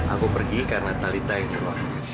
aku pergi karena talita yang keluar